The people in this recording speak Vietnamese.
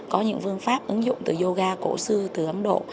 có những phương pháp ứng dụng từ yoga cổ xưa từ ấn độ